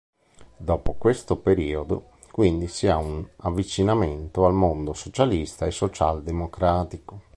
Dopo questo periodo quindi si ha un avvicinamento al mondo socialista e socialdemocratico.